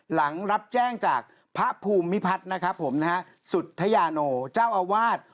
หลังรับแจ้งจากพระภูมิพัทธ์สุธยาโนเจ้าอาวาส